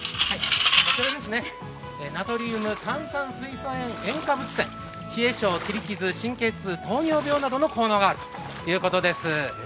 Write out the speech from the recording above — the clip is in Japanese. ナトリウム、炭酸水素塩塩化物泉冷え症、きりきず、神経痛、糖尿病などの効能があるということです。